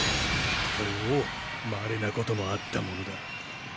ほうまれなこともあったものだ。